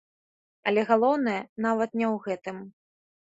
Але галоўнае нават не ў гэтым.